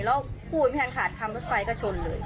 แล้วพูดไม่ทันขาดคำรถไฟก็ชนเลย